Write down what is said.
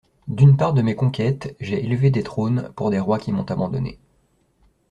D'une part de mes conquêtes, j'ai élevé des trônes pour des rois qui m'ont abandonné.